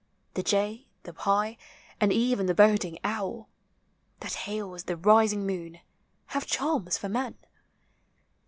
The jay, the pie, and ev'n the boding owl, That hails the rising moon, have charms for men.